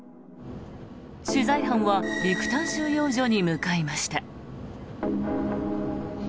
取材班はビクタン収容所に向かいました。